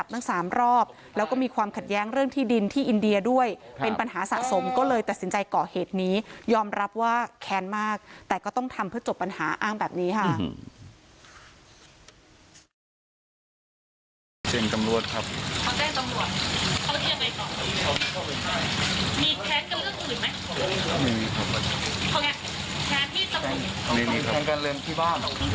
แต่ก็ต้องทำเพื่อจบปัญหาอ้างแบบนี้ค่ะ